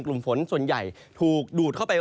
กลุ่มฝนส่วนใหญ่ถูกดูดเข้าไป